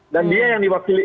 dan dia yang diwakili